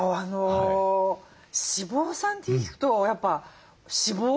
脂肪酸って聞くとやっぱ脂肪？